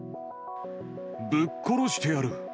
ぶっ殺してやる。